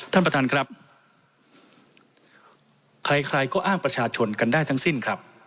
ท่านประธานครับใครใครก็อ้างประชาชนกันได้ทั้งสิ้นครับ